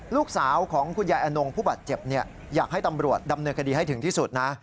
ลูกชายของคุณยายอนงผู้บาดเจ็บอยากให้ตำรวจดำเนินคดีให้ถึงที่สุดนะ